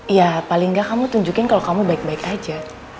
ya paling gak kamu tunjukin kalau kamu baik baik aja